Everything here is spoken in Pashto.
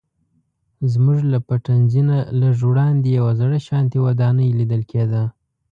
زموږ له پټنځي نه لږ وړاندې یوه زړه شانتې ودانۍ لیدل کیده.